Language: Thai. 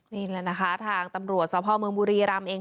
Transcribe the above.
นี่แหละนะคะทางตำรวจสภเมืองบุรีรำเอง